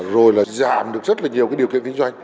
rồi là giảm được rất là nhiều cái điều kiện kinh doanh